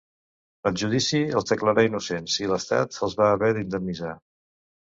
El judici els declarà innocents i l'Estat els va haver d'indemnitzar.